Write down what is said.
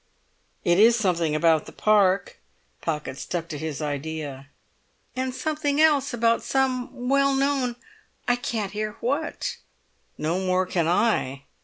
"It is something about the Park." Pocket stuck to his idea. "And something else about some 'well known'—I can't hear what!" "No more can I."